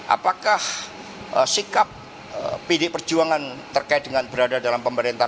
apakah sikap pdi perjuangan terkait dengan berada dalam pemerintahan